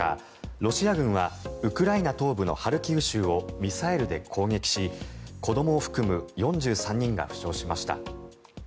ロシア軍はウクライナ東部のハルキウ州をミサイルで攻撃し子どもを含む４３人が負傷しました。